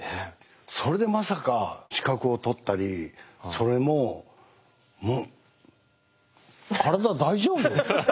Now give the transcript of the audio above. それでまさか資格を取ったりそれも体大丈夫？